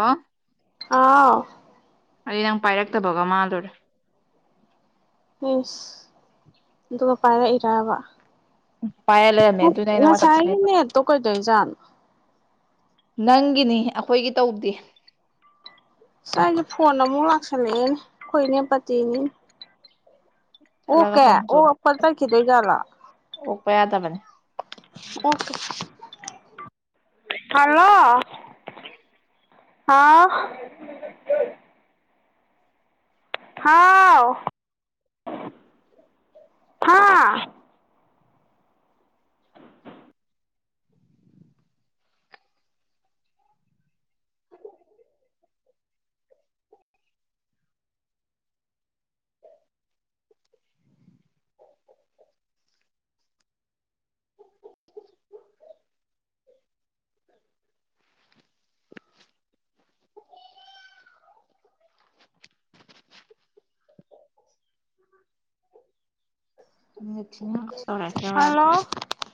ꯑ ꯑꯥꯎ ꯑꯩꯗꯤ ꯅꯪ ꯄꯥꯏꯔꯛꯇꯕꯒ ꯃꯥꯜꯂꯨꯔꯦ ꯏꯁ ꯑꯗꯨꯒ ꯄꯥꯏꯔꯛꯏꯔꯕ ꯄꯥꯏꯔ ꯂꯩꯔꯝꯃꯦ ꯑꯗꯨꯅꯦ ꯑꯩꯅ ꯋꯥꯆꯞꯇꯅꯦ ꯉꯁꯥꯏꯒꯤ ꯅꯦꯠꯇꯣ ꯀꯩꯗꯩꯖꯥꯠꯅꯣ ꯅꯪꯒꯤꯅꯤ ꯑꯩꯈꯣꯏꯒꯤ ꯇꯧꯗꯦ ꯁ ꯑꯩꯁꯦ ꯐꯣꯟ ꯑꯃꯨꯛ ꯂꯥꯛꯁꯜꯂꯛꯑꯦꯅꯦ ꯑꯩꯈꯣꯏ ꯏꯅꯦ ꯄꯇꯤꯅꯤ ꯆꯠꯂꯒ ꯑꯣꯛꯀꯦ ꯍꯪꯉꯨꯆꯣ ꯑꯣꯛꯄ ꯇꯥꯠꯈꯤꯗꯣꯏ ꯖꯥꯠꯂꯣ ꯑꯣꯛꯄ ꯌꯥꯗꯕꯅꯦ ꯍꯂꯣ ꯍꯥꯥꯎ ꯍꯥꯎ ꯍꯥꯥ [inaudible] [unintelligible] ꯍꯜꯂꯣ [inaudible]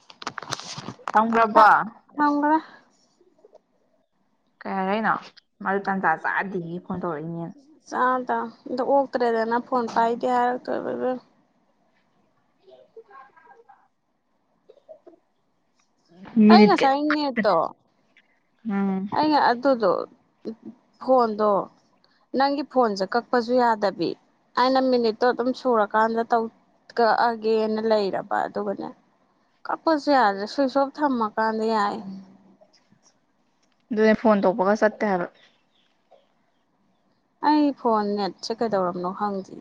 [unintelligible] ꯊꯝꯒꯔꯕꯣ ꯊꯝꯒꯔꯦ ꯀꯩ ꯍꯥꯏꯔꯅꯣ ꯃꯖꯨ ꯇꯟꯖꯥ ꯆꯥꯗ ꯐꯣꯟ ꯇꯧꯔꯛꯏꯅꯦꯅ ꯆꯥꯗꯝ ꯑꯗ ꯑꯣꯛꯇ꯭ꯔꯦꯗꯅ ꯐꯣꯟ ꯄꯥꯏꯗꯦ ꯍꯥꯏꯔꯛꯇꯣꯏꯕ ꯑꯗꯨꯟ ꯑꯩ ꯃꯤꯅꯤꯠ ꯀꯩꯅꯣ ꯉꯁꯥꯏꯅꯦꯠꯇꯣ ꯎꯝ ꯑꯩꯅ ꯑꯗꯨꯗꯣ ꯐꯣꯟꯗꯣ ꯅꯪꯒꯤ ꯐꯣꯟꯁꯦ ꯀꯛꯄꯁꯨ ꯌꯥꯗꯕꯤ ꯑꯩꯅ ꯃꯤꯅꯤꯠꯇꯣ ꯑꯗꯨꯝ ꯁꯨꯔꯀꯥꯟꯗ ꯇꯧ ꯀꯛꯑꯒꯦꯅ ꯂꯩꯔꯕ ꯑꯗꯨꯒꯅꯦ ꯀꯛꯄꯁꯨ ꯌꯥꯗ꯭ꯔꯦ ꯁꯨꯏꯑꯣꯞ ꯊꯝꯃꯀꯥꯟꯗ ꯌꯥꯏ ꯑꯗꯨꯅꯦ ꯐꯣꯟ ꯇꯧꯕꯒ ꯆꯠꯇꯦ ꯍꯥꯏꯕ ꯑꯩ ꯐꯣꯟ ꯅꯦꯠꯁꯦ ꯀꯩꯗꯧꯔꯕꯅꯣ ꯈꯪꯗꯦ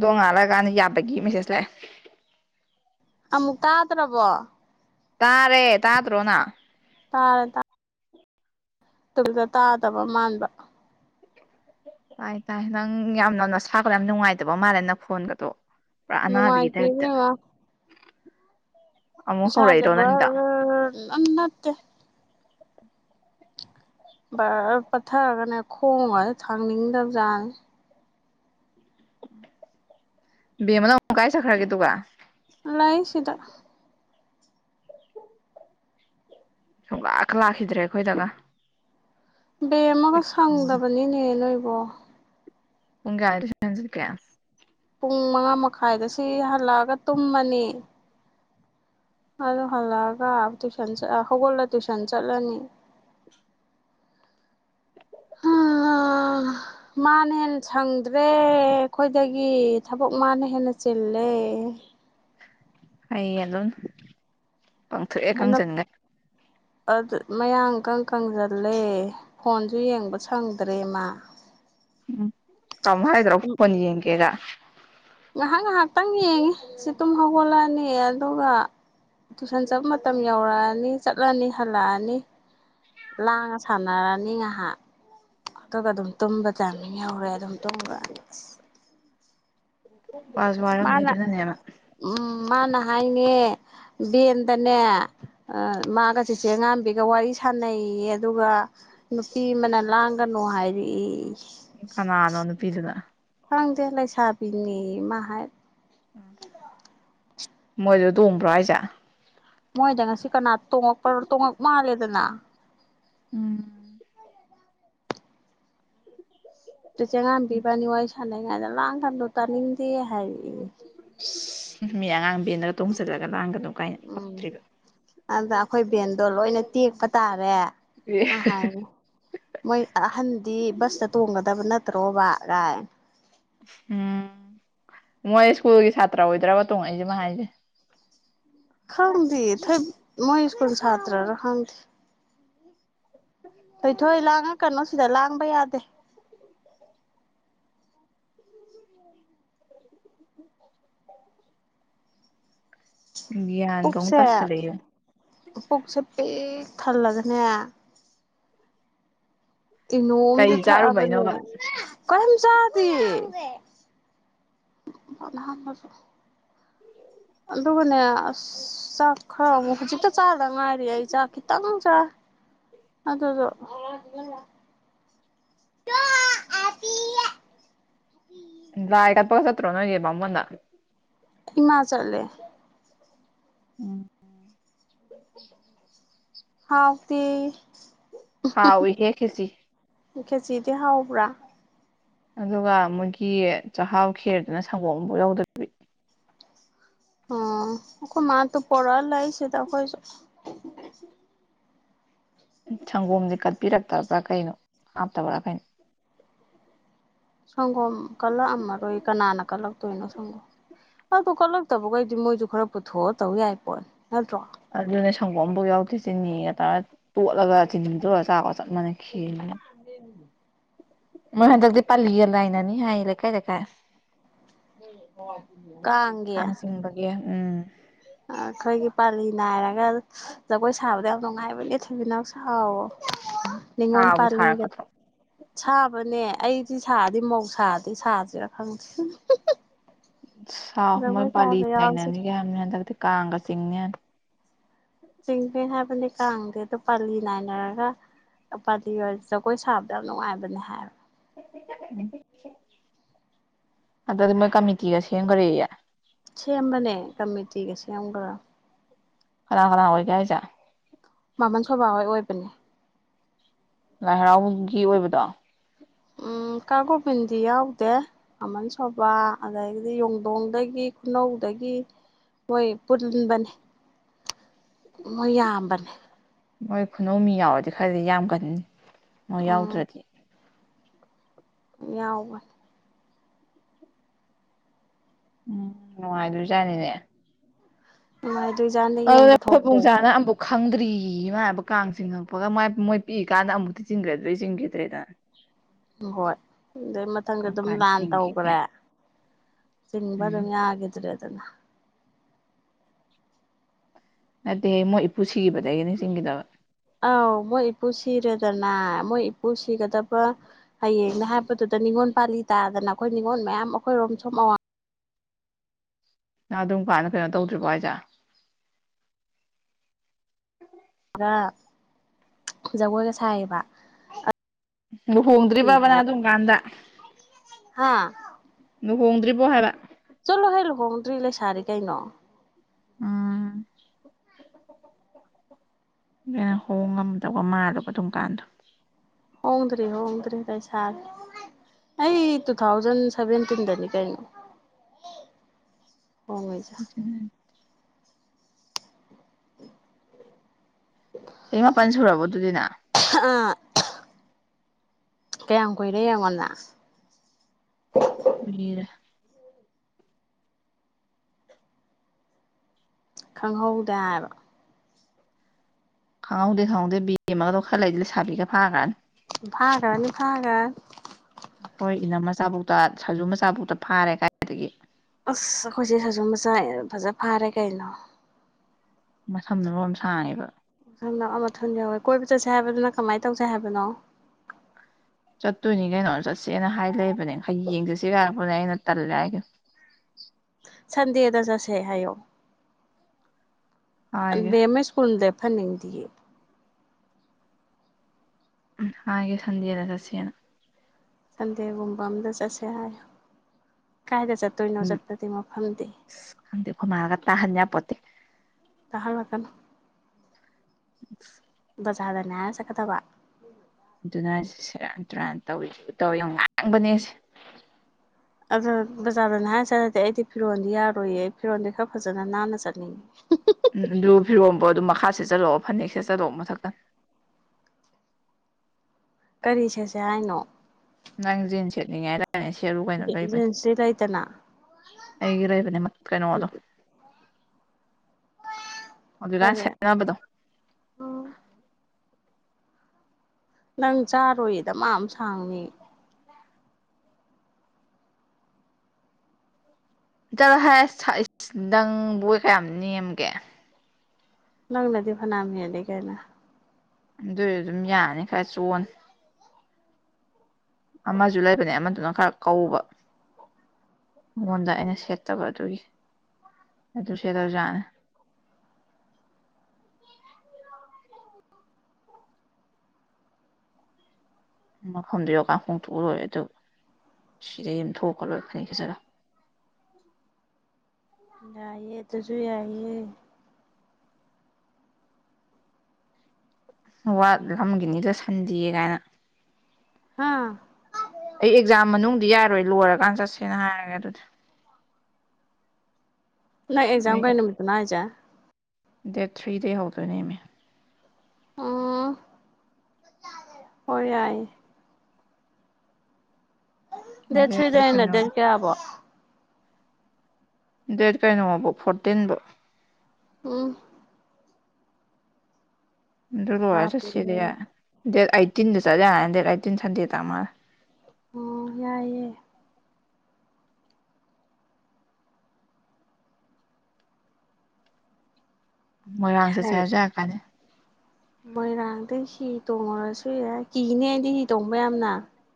ꯗꯣꯡ ꯉꯥꯜꯂꯑꯀꯥꯟꯗ ꯌꯥꯕꯒꯤ ꯃꯦꯁꯦꯖ ꯂꯥꯛꯑꯦ ꯑꯃꯨꯛ ꯇꯥꯗ꯭ꯔꯕꯣ ꯇꯥꯔꯦ ꯇꯥꯗ꯭ꯔꯣꯅ ꯇꯥꯔ‌ꯦ ꯇꯥ ꯇꯨꯗ ꯇꯥꯗꯕ ꯃꯥꯟꯕ ꯇꯥꯏ ꯇꯥꯏ ꯅꯪ ꯌꯥꯝ ꯅꯅ ꯁꯄꯗ ꯌꯥꯝ ꯅꯨꯡꯉꯥꯏꯇꯕ ꯃꯥꯜꯂꯦ ꯅꯪ ꯐꯣꯟꯕꯗꯣ ꯅꯨꯡꯉꯥꯏꯇꯦ ꯄ꯭ꯔꯥꯅꯕꯤꯗꯗ ꯏꯕꯦꯝꯃ ꯁꯥꯥꯖꯕ ꯅꯪꯒꯤꯗꯣ ꯎ ꯎꯠꯇ ꯚꯔꯔ ꯄꯠꯊꯔꯒꯅꯦ ꯈꯣꯡꯉꯁꯨ ꯊꯥꯡꯅꯤꯡꯗꯕ ꯖꯥꯠꯅꯤ ꯎ ꯕꯃꯅ ꯀꯥꯏ ꯁꯈꯔꯒꯦ ꯇꯒ ꯂꯩ ꯁꯤꯗ ꯁꯨꯝꯂꯥꯛꯀ ꯂꯥꯛꯈꯤꯗ꯭ꯔꯦ ꯑꯩꯈꯣꯏꯗꯒ ꯕꯦ ꯑꯃꯒ ꯁꯪꯗꯕꯅꯤꯅꯦ ꯅꯣꯏꯕꯣ ꯎꯨꯡꯌꯥ ꯄꯨꯡ ꯃꯉꯥ ꯃꯈꯥꯏꯗ ꯁꯤ ꯍꯜꯂꯛꯑꯒ ꯇꯨꯝꯃꯅꯤ ꯑꯗꯨ ꯍꯜꯂꯛꯑꯒ ꯇꯨꯏꯁꯟ ꯍꯧꯒꯠꯂ ꯇꯨꯏꯁꯟ ꯆꯠꯂꯅꯤ [inaudible] [unintelligible] ꯃꯥꯅ ꯍꯦꯟꯅ ꯁꯪꯗ꯭ꯔꯦ ꯑꯩꯈꯣꯏꯗꯒꯤ ꯊꯕꯛ ꯃꯥꯅ ꯍꯦꯟꯅ ꯆꯤꯜꯂꯦ ꯍꯌꯦ ꯑꯗꯨꯣ ꯄꯥꯡꯊꯣꯛꯑꯦ ꯈꯪꯁꯤꯟꯒ ꯑꯗꯨ ꯃꯌꯥꯝꯀ ꯀꯪꯁꯤꯜꯂꯦ ꯐꯣꯟꯁꯨ ꯌꯦꯡꯕ ꯁꯪꯗ꯭ꯔꯦꯃ ꯎꯝ ꯀꯃ ꯍꯥꯏꯗ꯭ꯔꯣ ꯐꯣꯟ ꯌꯦꯡꯒꯦꯒ ꯉꯥꯏꯍꯥꯛ ꯉꯥꯏꯍꯥꯛꯇꯪ ꯌꯦꯡꯉꯤ ꯁꯤ ꯇꯨꯝ ꯍꯧꯒꯠꯂꯛꯑꯅꯤ ꯑꯗꯨꯒ ꯇꯨꯏꯁꯟ ꯆꯠꯄ ꯃꯇꯝ ꯌꯧꯔꯛꯑꯅꯤ ꯆꯠꯂꯅꯤ ꯍꯜꯂꯛꯑꯅꯤ ꯂꯪ ꯁꯥꯟꯅꯔꯥꯅꯤ ꯑꯍꯥ ꯑꯗꯨꯒ ꯑꯗꯨꯝ ꯇꯨꯝꯕ ꯇꯥꯏꯃꯤꯡ ꯌꯥꯎꯔꯦ ꯑꯗꯨꯝ ꯇꯨꯝꯕ ꯑ ꯋꯥꯁꯨ ꯋꯥꯔꯝꯅꯤ ꯃꯥꯅ ꯑꯗꯨꯅꯅꯦꯕ ꯎꯝ ꯃꯥꯅ ꯍꯥꯏꯉ ꯕꯦꯟꯗꯅꯦ ꯃꯥꯒ ꯆꯤꯆꯦ ꯑꯉꯥꯝꯕꯤꯒ ꯋꯥꯔꯤ ꯁꯥꯟꯅꯩꯌꯦ ꯑꯗꯨꯒ ꯅꯨꯄꯤ ꯑꯃꯅ ꯂꯥꯡꯒꯅꯨ ꯍꯥꯏꯔꯤ ꯎ ꯀꯅꯥꯅꯣ ꯅꯨꯄꯤꯗꯨꯅ ꯐꯥꯡ ꯗꯦꯍꯂꯥꯏ ꯁꯥꯕꯤꯅꯤ ꯃꯍꯔ ꯃꯣꯏꯗꯣ ꯇꯣꯡꯕ꯭ꯔꯣ ꯑꯩꯁꯦ ꯃꯣꯏꯗ ꯉꯁꯤ ꯀꯅꯥ ꯇꯣꯡꯉꯛꯄ ꯇꯣꯡꯉꯛ ꯃꯥꯜꯂꯦꯗꯅ ꯎꯝ ꯑꯗꯨ ꯆꯦꯉꯥꯝꯤꯕꯅꯤ ꯋꯥꯔꯤ ꯁꯥꯟꯅꯩꯉꯥꯏꯗ ꯂꯥꯡ ꯀꯟꯗꯣ ꯇꯥꯅꯤꯡꯗꯦ ꯍꯥꯏ ꯃꯤ ꯑꯉꯥꯡꯕꯦꯟꯂꯒ ꯇꯣꯡꯁꯤꯜꯂꯒ ꯂꯥꯡꯒꯗꯅꯣ ꯀꯥꯏꯅ ꯄꯛꯇ꯭ꯔꯤꯕ ꯑꯗꯨꯗ ꯑꯩꯈꯣꯏ ꯚꯦꯟꯗꯣ ꯂꯣꯏꯅ ꯇꯦꯛꯄ ꯇꯥꯔꯦ ꯍꯥꯏꯅꯤ ꯃꯣꯏ ꯑꯍꯟꯗꯤ ꯕꯁꯇ ꯇꯣꯡꯒꯗꯕ ꯅꯠꯇ꯭ꯔꯣ ꯕꯥ ꯥꯏ ꯎꯝ ꯃꯣꯏ ꯁ꯭ꯀꯨꯜꯒꯤ ꯁꯥꯇ꯭ꯔ ꯑꯣꯏꯗ꯭ꯔꯕ ꯇꯣꯡꯉꯛꯏꯁꯤꯦꯃ ꯍꯥꯏꯁꯦ ꯈꯊꯦ ꯊꯣꯏ ꯃ ꯏꯁꯀꯨꯜ ꯁꯥꯇ꯭ꯔꯔ ꯈꯊꯦ ꯀꯩꯊꯣꯏ ꯂꯥꯡꯉ ꯀꯅꯣ ꯁꯤꯗ ꯂꯥꯡꯕ ꯌꯥꯗꯦ ꯕꯤꯌꯥꯟꯒꯣꯡꯅ ꯄꯨꯛꯁꯦ ꯇ ꯁ ꯂꯩꯦ ꯄꯨꯛꯁꯦ ꯄꯤꯛ ꯊꯜꯂꯒꯅꯦ ꯀꯩ ꯏꯅꯣꯝꯁꯨ ꯊꯕꯅꯦ ꯆꯥꯔꯨꯕꯩꯅꯣꯕ ꯀꯟ ꯆꯗꯤ ꯑꯗꯨꯒꯅꯦ ꯆꯥꯛ ꯈꯔꯖꯤꯛꯇ ꯆꯥꯗ ꯉꯔꯤ ꯍꯥꯏꯏ ꯆꯈꯤ ꯇꯪ ꯆꯥ ꯑꯗꯨ ꯑꯗꯨꯣ ꯏ ꯀꯄꯁꯣ ꯅꯪꯦ ꯃꯃꯅ ꯍꯃꯥꯆꯥꯠꯂꯦ ꯎꯝ ꯍꯥꯎꯗꯤ ꯍꯥꯎ ꯑꯣꯏ ꯍꯦ ꯈꯁꯤ ꯀꯦꯖꯤꯗꯤ ꯍꯥꯎꯕ꯭ꯔꯥ ꯑꯗꯨꯒ ꯃꯣꯏꯒꯤ ꯆꯍꯥꯎ ꯈꯦꯔꯗꯅ ꯁꯪꯒꯣꯝ ꯑꯃꯐꯥꯎ ꯌꯧꯗ ꯑꯣ ꯑꯩꯈꯣꯏ ꯃꯥ ꯇꯣ ꯄ ꯂꯁꯦꯗ ꯑꯩꯈꯣꯏꯁꯨ ꯁꯪꯒꯣꯝꯁꯦ ꯀꯠꯄꯤꯔꯛꯇꯕ꯭ꯔꯥ ꯀꯩꯅꯣ ꯍꯥꯞꯇꯕ꯭ꯔꯥ ꯀꯩꯅꯣ ꯁꯪꯒꯣꯝ ꯀꯜꯂꯛꯑꯝꯃꯔꯣꯏ ꯀꯅꯥꯅ ꯀꯜꯂꯛꯇꯣꯏꯅꯣ ꯁꯪꯒꯣꯝ ꯑꯗꯨ ꯀꯜꯂꯛꯇꯕꯈꯩꯗꯤ ꯃꯣꯏꯁꯨ ꯈꯔ ꯄꯨꯊꯣꯛꯑ ꯇꯧ ꯌꯥꯏ ꯄꯣꯠꯅꯤ ꯅꯠꯇ꯭ꯔꯣ ꯑꯗꯨꯅꯦ ꯁꯪꯒꯣꯝ ꯑꯃꯐꯥꯎ ꯌꯥꯎꯗꯦꯁꯤꯦꯅꯤꯒ ꯇꯥꯒ ꯇꯣꯠꯂꯒ ꯆꯤꯟꯗꯨꯔꯒ ꯆꯥꯛꯔꯒ ꯆꯠ ꯃꯥꯟꯅꯈꯤꯑꯗꯅ ꯀ ꯃ ꯍꯦꯟꯗꯗꯤ ꯄꯜꯜꯂꯤꯤꯒꯂꯥꯏꯅꯅꯤ ꯍꯥꯏ ꯂꯩ ꯀꯥꯏ ꯂꯩ ꯀꯥꯏ ꯀꯥꯡꯒꯌꯥ ꯌꯥ ꯎꯝ ꯑꯩꯈꯣꯏꯒꯤ ꯄꯥꯂꯤ ꯅꯥꯏꯔꯒ ꯖꯒꯣꯏ ꯁꯥꯕꯗ ꯌꯥꯝ ꯅꯨꯡꯉꯥꯏꯕꯅꯦ ꯊꯣꯏꯕꯤꯅꯎ ꯁꯥꯎꯋꯣ ꯅꯤꯡꯉ ꯑꯣꯟ ꯁꯥꯕꯨ ꯄꯥꯔꯂꯒ ꯁꯥꯔꯛꯀꯗ꯭ꯔꯣ ꯁꯥꯕꯅꯦ ꯑꯩꯗꯤ ꯁꯥꯔꯗꯤ ꯃꯧꯁꯗꯤ ꯁꯥꯗ꯭ꯦꯥ ꯈꯪꯗ꯭ꯦ ꯁꯥꯎ ꯃꯣꯏ ꯄꯥꯂꯤ ꯌꯥꯎꯁꯦ ꯅꯩꯅꯅꯅꯤꯒꯤ ꯍꯥꯏꯕꯅꯤ ꯍꯟꯂꯒꯗꯤ ꯀꯥꯡꯒ ꯆꯤꯡꯅꯤ ꯆꯤꯡꯖꯩ ꯍꯥꯏꯕꯅꯤ ꯀꯥꯡꯗꯦ ꯑꯗꯨꯗ ꯄꯥꯂꯤ ꯅꯥꯏꯅꯔꯒ ꯄꯥꯇꯤ ꯑꯣꯏꯔ ꯖꯒꯣꯏ ꯁꯥꯕꯗ ꯌꯥꯝ ꯅꯨꯡꯉꯥꯏꯕꯅꯦ ꯍꯥꯏꯕ ꯑꯗꯨ ꯃꯣꯏ ꯀꯃꯤꯇꯤꯒ ꯁꯦꯝꯈ꯭ꯔꯦ ꯁꯦꯝꯕꯅꯦ ꯀꯃꯤꯇꯤꯒ ꯁꯦꯝꯈ꯭ꯔꯥ ꯍꯔꯥꯡ ꯍꯔꯥꯡ ꯑꯣꯏꯒꯦ ꯍꯥꯏꯁꯦ ꯃꯃꯟ ꯁꯣꯏꯕ ꯍꯣꯏ ꯑꯣꯏꯕꯅꯦ ꯂꯥꯏ ꯍꯔꯥꯎꯒꯤ ꯑꯣꯏꯕꯗꯣ ꯎꯝ ꯀꯥꯒꯣꯕꯤꯟꯗꯤ ꯌꯥꯎꯗꯦ ꯑꯃꯟ ꯁꯕꯥ ꯑꯗꯒꯤꯗꯤ ꯌꯣꯡꯗꯣꯡꯗꯒꯤ ꯈꯨꯅꯧꯗꯒꯤ ꯃꯣꯏ ꯄꯨꯟꯕꯅꯦ ꯃꯣꯏ ꯌꯥꯝꯕꯅꯦ ꯃꯣꯏ ꯈꯨꯅꯧꯃꯤ ꯌꯥꯎꯔꯗꯤ ꯈꯔꯗꯤ ꯌꯥꯝ ꯀꯟꯅꯤ ꯃꯣꯏ ꯎꯝ ꯌꯥꯎꯗ꯭ꯔꯗꯤ ꯌꯥꯎꯕ ꯎꯝ ꯅꯨꯡꯉꯥꯏꯗꯣꯏꯖꯥꯠꯅꯤꯅꯦ ꯃ ꯑꯗꯨꯖ ꯑ ꯈꯣꯏꯕꯨꯡꯖꯥꯅ ꯑꯃꯨꯛ ꯈꯪꯗ꯭ꯔꯤꯅ ꯍꯥꯏꯕ ꯀꯥꯡ ꯆꯤꯡꯉꯛꯄꯒ ꯃ ꯃꯣꯏ ꯄꯤꯛꯏ ꯀꯥꯟꯗ ꯑꯃꯨꯛꯇꯤ ꯆꯤꯡꯒ꯭ꯔꯗ꯭ꯔꯔꯤ ꯆꯤꯡꯈꯤꯗ꯭ꯔꯦꯗꯅ [unintelligible] ꯍꯣꯏ ꯑꯗꯨꯗꯩ ꯃꯊꯪꯗ ꯀꯔꯝ ꯑꯗꯨꯝ ꯀꯥꯟ ꯂꯥꯟ ꯆꯤꯡꯒꯤ ꯀꯥꯏ ꯇꯧꯈ꯭ꯔꯦ ꯁꯤꯤꯡꯕ ꯎꯝ ꯑꯗꯨꯝ ꯌꯥꯒꯗ꯭ꯔꯦ ꯑꯗꯨꯗꯅ ꯅꯠꯇꯦ ꯃꯣꯏ ꯏꯄꯨ ꯁꯤꯈꯤꯕꯗꯒꯤ ꯅꯤꯡꯁꯤꯡꯤꯡꯈꯤꯗꯕ ꯑꯧ ꯃꯣꯏ ꯏꯄꯨ ꯁꯤꯔꯦꯗꯅ ꯃꯣꯏ ꯏꯄꯨ ꯁꯤꯒꯗꯕ ꯍꯌꯦꯡꯅꯦ ꯍꯥꯏꯕꯗꯨꯗ ꯅꯤꯡꯉꯣꯜ ꯄꯥꯜꯂꯤ ꯇꯥꯗꯅ ꯑꯩꯈꯣꯏ ꯅꯤꯡꯉꯣꯣꯟ ꯃꯌꯥꯝ ꯑꯩꯈꯣꯏꯔꯣꯝ ꯁꯨꯝ ꯑꯋꯥ ꯅ ꯑꯗꯨꯝ ꯀꯥꯟꯅ ꯀꯩꯅꯣ ꯇꯧꯗ꯭ꯔꯤꯕꯣ ꯍꯥꯏꯁꯦ ꯈ ꯖꯒꯣꯏꯒ ꯁꯥꯏꯌꯦꯕ ꯂꯨꯍꯣꯡꯗ꯭ꯔꯤꯕ꯭ꯔꯕꯅ ꯁꯤꯕꯨ ꯑꯗꯨꯝ ꯀꯥꯟꯗ ꯍꯥ ꯂꯨꯍꯣꯡꯗ꯭ꯔꯤꯕꯣ ꯍꯥꯏꯕ ꯆꯠꯂꯣ ꯍꯦ ꯂꯨꯍꯣꯡꯗ꯭ꯔꯤ ꯂꯩꯁꯥꯔꯤ ꯀꯩꯅꯣ ꯑꯥ ꯅ ꯍꯣꯡꯉꯝꯗꯧꯕ ꯃꯥꯜꯗꯕ ꯑꯗꯨꯝ ꯀꯥꯟꯗꯣ ꯍꯣꯡꯗ꯭꯭ꯔꯔꯤ ꯍꯣꯡꯗ꯭ꯔꯔꯤ ꯚꯥꯏ ꯁꯥꯔ ꯑꯩ ꯇꯨ ꯊꯥꯎꯖꯟ ꯁꯚꯦꯟꯇꯤꯟꯗꯅꯤ ꯀꯩꯅꯣ ꯍ [unintelligible] ꯆꯍꯤ ꯃꯥꯄꯟ ꯁꯨꯔꯕꯣ ꯑꯗꯨꯗꯤꯅ ꯑꯥ ꯀꯌꯥꯝ ꯀꯨꯏꯔꯦ ꯑꯩꯡꯉꯣꯟꯟꯅ ꯀꯏꯔ ꯈꯪꯍꯧꯗ ꯍꯥꯏꯕ ꯈꯪꯍꯧꯗꯦ ꯈꯪꯍꯧꯗꯦ ꯕꯤꯦꯝꯃꯒꯗꯣ ꯈꯔꯂꯗꯤ ꯂꯩ ꯁꯥꯕꯤꯒ ꯐꯥꯈ꯭ꯔꯅꯤ ꯐꯥꯒꯔꯅꯤ ꯐꯥꯒꯠ ꯑꯩꯈꯣꯏ ꯏꯅꯝ ꯃꯆꯥꯕꯨꯛꯇ ꯁꯖꯨ ꯃꯆꯥꯕꯨꯛꯇ ꯐꯥꯔꯦ ꯀꯥꯏꯗꯒꯤ ꯑꯁ ꯑꯩꯈꯣꯏꯁꯦ ꯁꯥꯖꯨ ꯃꯆꯥ ꯐꯖ ꯐꯥꯔꯦ ꯀꯩꯅꯣ ꯃꯁꯝꯅꯝ ꯁꯥꯡꯉꯦꯕ ꯃꯊꯗ ꯑꯃꯊ ꯌꯧꯋꯦ ꯀꯣꯏꯕ ꯆꯠꯁꯦ ꯍꯥꯏꯕꯗꯨꯅ ꯀꯃꯥꯏꯅ ꯇꯧꯁꯦ ꯍꯥꯏꯕꯅꯣ ꯆꯠꯇꯣꯏꯅꯤ ꯀꯩꯅꯣ ꯆꯠꯁꯦꯅ ꯍꯥꯏ ꯂꯩꯕꯅꯦ ꯈꯔ ꯌꯦꯡ ꯆꯠꯁꯤ ꯍꯥꯏꯔꯛꯄꯅꯦ ꯑꯩꯅ ꯇꯜꯂꯦ ꯍꯥꯏꯒꯦ ꯁꯟꯗꯦꯗ ꯆꯁꯦ ꯍꯥꯏꯌꯣ ꯍꯥꯏꯒꯦ ꯑꯦ ꯁ꯭ꯀꯨꯜꯗ ꯐꯟꯅꯤꯡꯗꯤꯌꯦ ꯎꯝ ꯍꯥꯏꯦ ꯁꯟꯗꯦꯅ ꯁꯁꯦꯅ ꯁꯟꯗꯦꯒꯨꯝꯕ ꯑꯝꯗ ꯆꯠꯁꯦ ꯍꯥꯏ ꯀꯥꯏꯗ ꯆꯠꯇꯣꯏꯅꯣ ꯆꯠꯄꯗꯤ ꯃꯐꯝꯗꯤ ꯈꯪꯗꯦꯈ ꯃꯥꯜꯂꯒ ꯇꯥꯍꯟ ꯄꯣꯠꯇꯦ ꯇꯍꯔ ꯂꯒꯟ [inaudible] ꯕꯖꯥꯔꯗꯅꯦ ꯍꯥꯏꯅ ꯆꯠꯀꯗꯕ ꯑꯗꯨꯅꯁ ꯁꯦꯔꯥꯟ ꯇꯨꯔꯥꯟ ꯇꯧꯔꯤꯁꯨꯕꯨ ꯇꯧꯋ ꯌꯥꯝ ꯉꯥꯡꯕꯅꯦꯁꯦ ꯑꯗꯨꯗꯣ ꯕꯖꯥꯔꯗꯅ ꯍꯥꯏ ꯆꯔꯗꯤ ꯑꯩꯗꯤ ꯐꯤꯔꯣꯜꯗꯤ ꯌꯥꯔꯣꯏꯌꯦ ꯑꯩ ꯐꯤꯔꯣꯜꯗꯤ ꯈꯔ ꯐꯖꯅ ꯅꯥꯟꯅ ꯆꯠꯅꯤꯡꯉꯤ ꯎꯝ ꯑꯗꯨ ꯐꯤꯔꯣꯝꯕꯨꯣ ꯑꯗꯨꯝ ꯃꯈꯥ ꯁꯦꯠꯆꯠꯂꯛꯑꯣ ꯐꯅꯦꯛ ꯁꯦꯠꯆꯠꯂꯛꯑꯣ ꯃꯊꯛꯇ ꯀꯔꯤ ꯁꯦꯠꯁꯦ ꯍꯥꯏꯅꯣ ꯅꯪ ꯖꯤꯟ ꯁꯦꯠꯂꯤꯉꯥꯏ ꯍꯥꯏꯇꯥꯔꯦꯅꯦ ꯁꯦꯔꯨ ꯀꯩꯅꯣ ꯂꯩꯕꯅꯦ ꯖꯤꯟꯁꯇꯤ ꯂꯩꯇꯅ ꯑꯩ ꯏꯔꯣꯏꯕꯅꯦ ꯀꯩꯅꯣꯗꯣ ꯑꯗꯨꯀꯥꯟ ꯀꯔꯤ ꯁꯦꯅꯕꯗꯣ ꯅꯪ ꯆꯥꯔꯣꯏꯗ ꯃꯥ ꯁꯥꯡꯅꯤ ꯆꯠꯂꯣ ꯍꯥꯏ ꯅꯪ ꯕꯣꯏ ꯀꯌꯥꯝ ꯅꯦꯝꯒꯦ ꯅꯪ ꯅꯗꯤ ꯐꯅꯃꯤ ꯌꯥꯅꯤ ꯀꯥꯏꯅ ꯑꯗꯨꯏꯁꯨ ꯑꯗꯨꯝ ꯌꯥꯅꯤ ꯈꯔ ꯆꯣꯟꯅꯤ ꯑꯃꯁꯨ ꯂꯩꯕꯅꯦ ꯑꯃꯗꯨꯅ ꯈꯔ ꯀꯧꯕ ꯑꯩꯉꯣꯟꯗ ꯑꯩꯅ ꯁꯦꯠꯇꯕ ꯑꯗꯨꯒꯤ ꯑꯗꯨ ꯁꯦꯠꯂꯧꯖꯥꯠꯅꯤ ꯃꯐꯝꯗꯨ ꯌꯣꯀ ꯍꯣꯡ ꯊꯣꯛꯣꯛꯑ ꯂꯣꯏ ꯑꯗꯨ ꯁꯤꯗꯩ ꯑꯃ ꯊꯣꯛꯈ ꯂꯣꯏ ꯐꯅꯤꯦꯛ ꯈꯖꯂ ꯌꯥꯏꯌꯦ ꯑꯗꯨꯁꯨ ꯌꯥꯏꯌꯦ ꯋꯥ ꯂꯝꯒꯤꯅꯤꯗꯣ ꯁꯟꯗꯤꯌꯦ ꯀꯥꯏꯅ ꯍꯥ ꯑꯩ ꯑꯦꯛꯖꯥꯝ ꯃꯅꯨꯡꯗ ꯌꯥꯔꯣꯏ ꯂꯣꯏꯔꯀꯥꯟ ꯆꯠꯁꯦꯅ ꯍꯥꯏꯔꯒꯦ ꯑꯗꯨꯗꯤ ꯅꯪ ꯑꯦꯛꯖꯝ ꯑꯩ ꯀꯥꯏ ꯅꯨꯃꯤꯠꯇꯣꯅ ꯑꯩꯖꯥ ꯗꯦꯠ ꯊ꯭ꯔꯤꯗꯩ ꯍꯧꯗꯣꯏꯅꯦꯃꯤ ꯑꯣ ꯍ ꯌꯥꯏ ꯗꯦ ꯗꯦꯠ ꯊꯨꯏꯗꯩꯅ ꯀꯩꯅꯣ ꯗꯦ ꯀꯦ ꯑꯕꯣ ꯗꯦꯠ ꯀꯩꯅꯣꯕ ꯐꯣꯔꯇꯤꯟꯕꯨ ꯎꯝ ꯑꯗꯨ ꯕ ꯕꯥꯞꯄꯦ ꯆꯠꯁꯤꯗꯤ ꯗꯦꯠ ꯑꯩꯠꯇꯤꯟꯗ ꯆꯠꯂꯦ ꯍꯥꯏꯅꯤ ꯗꯦꯠ ꯑꯩꯠꯇꯤꯟ ꯁꯟꯗꯦꯗ ꯑꯃ ꯑꯣ ꯌꯥꯏꯑꯦ ꯃꯣꯏꯔꯥꯡ ꯆꯠꯁꯦ ꯍꯥꯏꯖꯔꯛ ꯀꯥꯟꯅꯤ ꯃꯣꯏꯔꯥꯡꯗ ꯍꯤ ꯇꯣꯡꯉꯨꯔꯁꯨ ꯌꯥ ꯀꯤꯅꯦ ꯑꯩꯗꯤ ꯍꯤ ꯇꯣꯡꯕ ꯌꯥꯝꯅ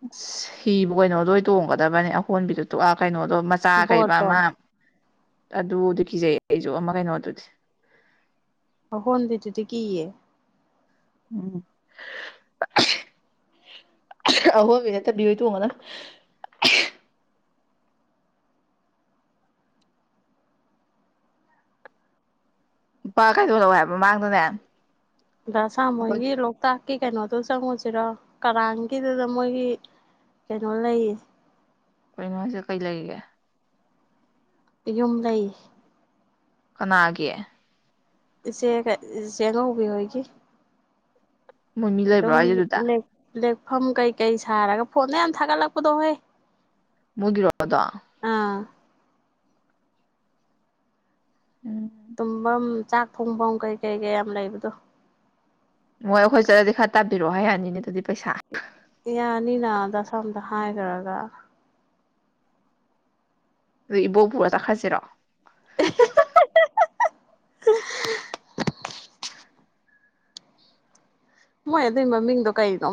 ꯑ ꯍꯤꯕꯨ ꯀꯩꯅꯣꯗꯣꯣꯏ ꯇꯣꯡꯒꯗꯕꯅꯤ ꯑꯍꯣꯟꯕꯤꯗꯨ ꯇꯑ ꯀꯩꯅꯣꯗꯣ ꯃꯆꯥ ꯀꯩꯕ ꯕꯣꯠꯇꯣ ꯑꯃ ꯑꯗꯨꯗꯤ ꯀꯤꯖꯩꯌꯦ ꯑꯩꯁꯨ ꯑꯃ ꯀꯩꯅꯣ ꯑꯗꯨꯗꯤ ꯍꯣꯟꯟꯗꯦꯗꯨꯗꯤ ꯀꯌꯦ ꯎꯝ ꯑꯍꯣꯏꯕ ꯅꯠꯇꯕꯤ ꯍꯣꯏ ꯇꯣꯡꯉꯅ ꯂꯨꯄꯥ ꯀꯥꯏꯗꯣꯛꯂꯛꯑꯣꯦ ꯍꯥꯏꯕ ꯃꯃꯥꯡꯗꯅꯦ ꯑꯁꯥ ꯑꯩꯈꯣꯏ ꯃꯣꯏꯒꯤ ꯂꯣꯛꯇꯥꯛꯀꯤ ꯀꯩꯅꯣꯗꯨꯣ ꯆꯪꯉꯨꯁꯤꯔꯣ ꯀꯔꯥꯡꯒꯤꯗꯨꯗ ꯃꯣꯏꯒꯤ ꯀꯩꯅꯣꯜ ꯂꯩ ꯀꯩꯅꯣ ꯍꯥꯏꯁꯦ ꯀꯩ ꯂꯩꯔꯤꯒꯦ ꯌꯨꯝ ꯂꯩꯌꯦ ꯀꯅꯥꯒꯤ ꯏꯆꯦ ꯏꯆꯦꯉꯧꯕꯤꯍꯣꯏꯒꯤ ꯃꯣꯏ ꯃꯤ ꯂꯩꯕ꯭ꯔꯣ ꯑꯗꯨꯝ ꯍꯥꯏꯁꯦ ꯑꯗꯨꯗ ꯂꯦꯛꯐꯝ ꯀꯩꯀꯩ ꯁꯥꯔꯒ ꯐꯣꯟꯗ ꯌꯥꯝ ꯊꯥꯒꯠꯂꯛꯄꯗꯣ ꯍꯣꯏ ꯃꯗꯔꯗ ꯑꯥ ꯎꯝ ꯇꯨꯝꯐꯝ ꯆꯥꯛ ꯊꯣꯡꯐꯝ ꯀꯩ ꯀꯩ ꯀ ꯌꯥꯝ ꯂꯩꯕꯗꯣ ꯃꯣꯏ ꯑꯩꯈꯣꯏ ꯆꯠꯂꯗꯤ ꯈꯔ ꯇꯥꯕꯤꯔꯛꯑꯣ ꯍꯥꯏ ꯌꯥꯅꯤꯅꯦ ꯑꯗꯨꯗꯤ ꯄꯩꯁꯥ ꯌꯥꯅꯤꯅꯗꯁꯣꯝꯗ ꯍꯥꯏꯈ꯭ꯔꯒ ꯑꯗꯨꯣ ꯏꯕꯣ ꯄꯨꯔꯣ ꯆꯥꯈꯠꯁꯤꯔꯣ [unintelligible] ꯃꯣꯏ ꯑꯗꯨꯏ ꯃꯃꯤꯡꯗꯣ ꯀꯩꯅꯣ